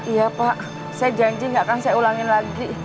iya pak saya janji gak akan saya ulangin lagi